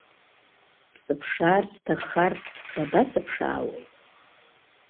Бсыԥшаарц сҭаххар, бабасыԥшаауеи?